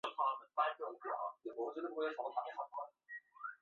公学院还出版每位教授开幕演讲的全文。